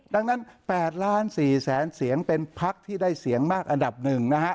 ดังนั้น๘ล้าน๔แสนเสียงเป็นพักที่ได้เสียงมากอันดับหนึ่งนะฮะ